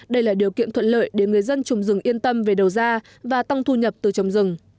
đây là điều kiện thuận lợi để người dân trồng rừng yên tâm về đầu ra và tăng thu nhập từ trồng rừng